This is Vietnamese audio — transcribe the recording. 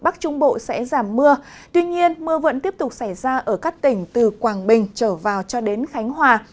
tuy nhiên mưa vẫn tiếp tục xảy ra ở các tỉnh từ quảng bình trở vào cho đến khánh hòa